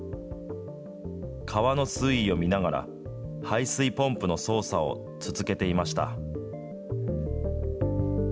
川の水位を見ながら、排水ポンプの操作を続けていました。